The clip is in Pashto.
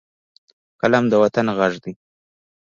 قلم د وطن غږ دی